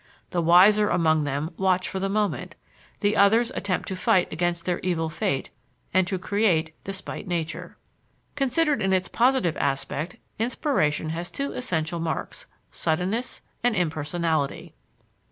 The wiser among them watch for the moment; the others attempt to fight against their evil fate and to create despite nature. Considered in its positive aspect, inspiration has two essential marks suddenness and impersonality.